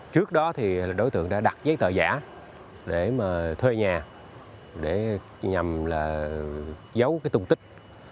trước đó thì đối tượng đã đặt giấy tờ giả để mà thuê nhà để nhằm là giấu cái tung tích